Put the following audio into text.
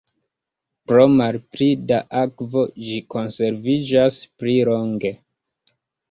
Pro malpli da akvo ĝi konserviĝas pli longe.